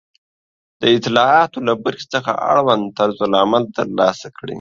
د اطلاعاتو له برخې څخه اړوند طرزالعمل ترلاسه کړئ